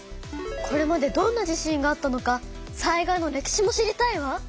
これまでどんな地震があったのか災害の歴史も知りたいわ！